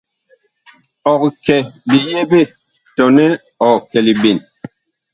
Ɔg kɛ liyeɓe tɔnɛ ɔg kɛ liɓen ?